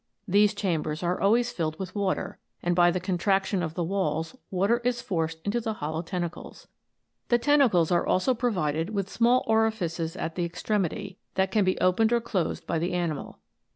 These chambers are always filled with water, and by the contraction of the walls, water is forced into the hollow tentacles. The ten tacles are also provided with small orifices at the extremity, that can be opened or closed by the animal.